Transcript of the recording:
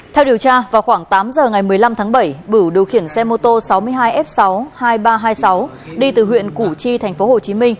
theo điều tra vào khoảng tám giờ ngày một mươi năm tháng bảy bửu điều khiển xe mô tô sáu mươi hai f sáu mươi hai nghìn ba trăm hai mươi sáu đi từ huyện củ chi tp hcm